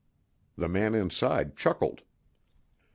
The man inside chuckled.